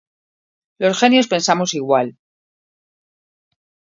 Los genios pensamos igual.